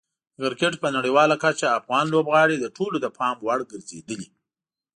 د کرکټ په نړیواله کچه افغان لوبغاړي د ټولو د پام وړ ګرځېدلي.